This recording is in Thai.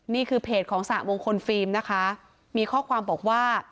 นี่คือเพจของสหมงคลฟิล์มนะคะมีข้อความบอกว่า